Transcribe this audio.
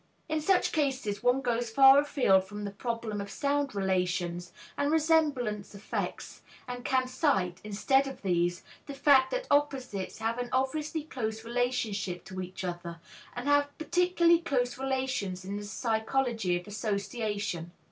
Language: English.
In such cases, one goes far afield from the problem of sound relations and resemblance effects, and can cite, instead of these, the fact that opposites have an obviously close relationship to each other, and have particularly close relations in the psychology of association.